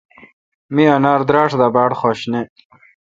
می انار دراݭ دا بارخوش نے۔